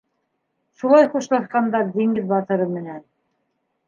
Шулай хушлашҡандар диңгеҙ батыры менән.